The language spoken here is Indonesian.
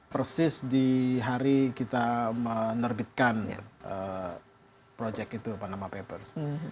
persis di hari kita menerbitkan proyek itu panama papers